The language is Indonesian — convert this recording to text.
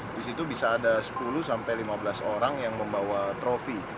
di situ bisa ada sepuluh sampai lima belas orang yang membawa trofi